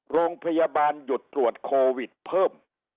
โรงพยาบาลหยุดตรวจโควิดเพิ่ม